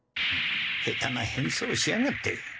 下手な変装しやがって。